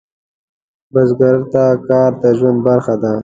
بزګر ته کار د ژوند برخه ده